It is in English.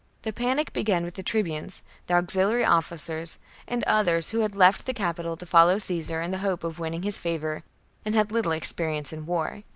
The panic began with the tribunes, the auxiliary officers, and others who had left the capital to follow Caesar in the hope of winning his favour, and had little experience in war.